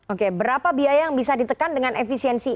oke berapa biaya yang bisa ditekan dengan efisiensi